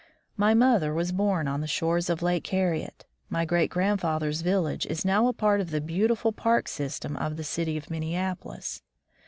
My mother was bom on the shores of Lake Harriet; my great grandfather's village is now a part of the beautiful park system of the city of Minneapolis.